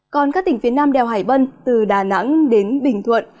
còn các tỉnh phía nam đèo hải vân từ đà nẵng đến bình thuận